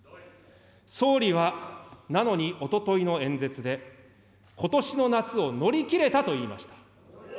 総理はなのにおとといの演説で、ことしの夏を乗り切れたと言いました。